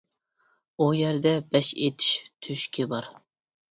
ئۇ يەردە بەش ئېتىش تۆشۈكى بار.